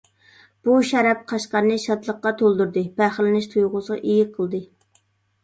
بۇ شەرەپ قەشقەرنى شادلىققا تولدۇردى، پەخىرلىنىش تۇيغۇسىغا ئىگە قىلدى.